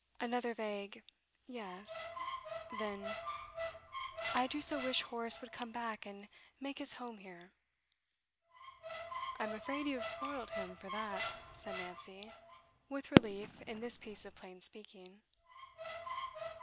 Another vague 'Yes.' Then: 'I do so wish Horace would come back and make his home here.' 'I'm afraid you have spoilt him for that,' said Nancy, with relief in this piece of plain speaking.